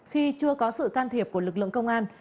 khi chưa có sự can thiệp của lực lượng công an